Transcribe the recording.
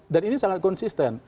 dan ini sangat konsisten